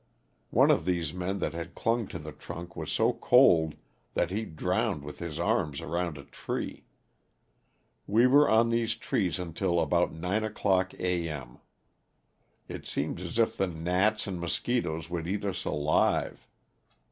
One of these men that had clung to the trunk was so cold that he drowned with his arms around a tree. We were on these trees until about nine o'clock A. m. It seemed as if the gnats and mosquitoes would eat us alive.